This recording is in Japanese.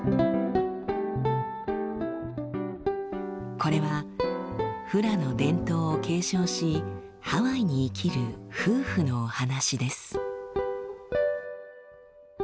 これはフラの伝統を継承しハワイに生きる夫婦のお話です。